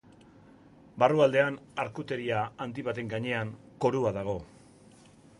Barrualdean, arkuteria handi baten gainean, korua dago.